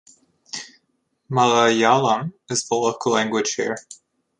Malayalam is the Local Language here.